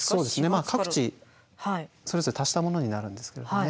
まあ各地それぞれ足したものになるんですけれどね。